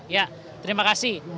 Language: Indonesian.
ya terima kasih